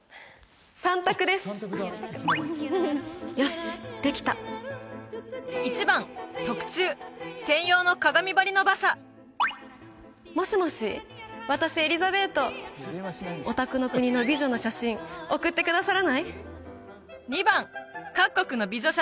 ３択ですよしできた１番特注専用の鏡ばりの馬車もしもし私エリザベートお宅の国の美女の写真送ってくださらない？